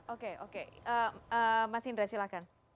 oke oke mas indra silahkan